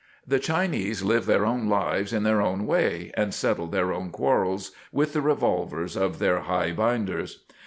The Chinese lived their own lives in their own way and settled their own quarrels with the revolvers of their highbinders.